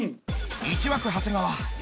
１枠長谷川４